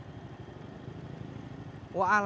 kita bakalan berangkatientes ponsel anak